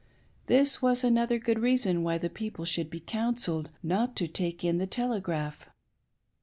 This was another good reason why the people should be " coun selled "• not to take in the Telegraph.